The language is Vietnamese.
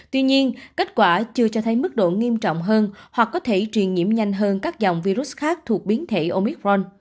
tuy nhiên kết quả chưa cho thấy mức độ nghiêm trọng hơn hoặc có thể truyền nhiễm nhanh hơn các dòng virus khác thuộc biến thể omicron